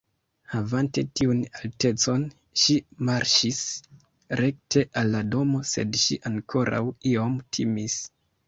Havante tiun altecon ŝi marŝis rekte al la domo, sed ŝi ankoraŭ iom timis.